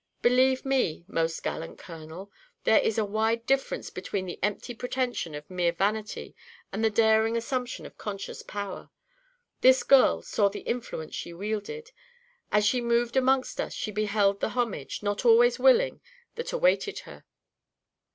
Believe me, most gallant Colonel, there is a wide difference between the empty pretension of mere vanity and the daring assumption of conscious power. This girl saw the influence she wielded. As she moved amongst us she beheld the homage, not always willing, that awaited her.